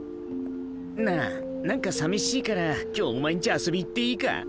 なあ何かさみしいから今日お前んち遊び行っていいか？